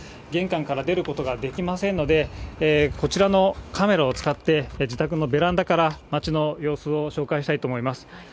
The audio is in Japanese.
玄関から出ることができませんので、こちらのカメラを使って自宅のベランダから街の様子を紹介したいと思います。